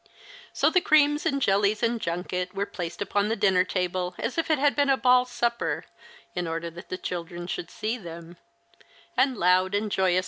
80 the creams and jellies and junket were placed upon the dinner table, as if it had been a ball supper, in order that the children should see them ; and loud and joyous The Christmas Hirelings.